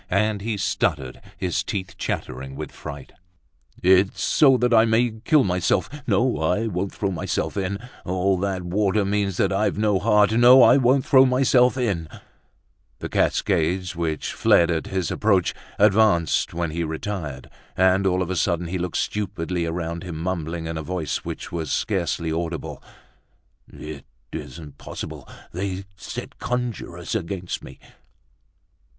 And he stuttered, his teeth chattering with fright. "It's so that I may kill myself. No, I won't throw myself in! All that water means that I've no heart. No, I won't throw myself in!" The cascades, which fled at his approach, advanced when he retired. And all of a sudden, he looked stupidly around him, mumbling, in a voice which was scarcely audible: "It isn't possible, they set conjurers against me!"